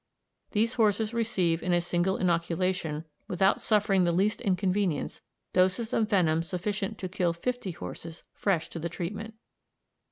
These horses receive in a single inoculation, without suffering the least inconvenience, doses of venom sufficient to kill fifty horses fresh to the treatment.